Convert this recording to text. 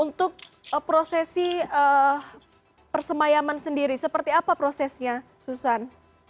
untuk prosesi persemayaman sendiri seperti apa prosesnya susan